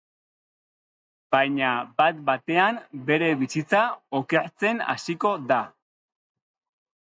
Baina, bat-batean, bere bizitza okertzen hasiko da.